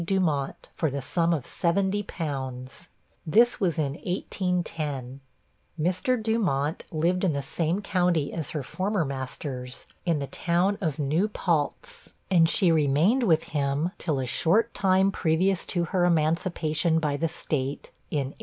Dumont, for the sum of seventy pounds. This was in 1810. Mr. Dumont lived in the same county as her former masters, in the town of New Paltz, and she remained with him till a short time previous to her emancipation by the State, in 1828.